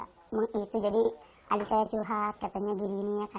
itu jadi adik saya curhat katanya gini gini ya